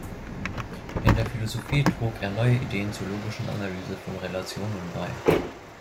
In der Philosophie trug er neue Ideen zur logischen Analyse von Relationen bei.